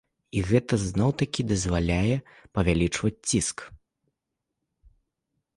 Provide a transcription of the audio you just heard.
І гэта зноў-такі дазваляе павялічваць ціск.